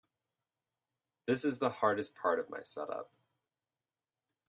This is the hardest part of my setup.